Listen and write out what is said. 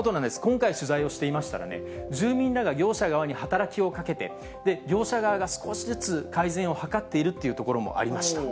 今回、取材をしていましたら、住民らが業者側に働きをかけて、業者側が少しずつ改善を図っているっていうところもありました。